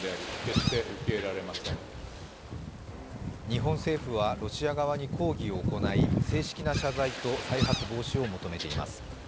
日本政府はロシア側に抗議を行い、正式な謝罪と再発防止を求めています。